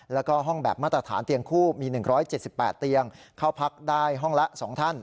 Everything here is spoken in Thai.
แล้วก็ห้องแบบมาตรฐานเตียงคู่มี๑๗๘เตียงเข้าพักได้ห้องละ๒ท่าน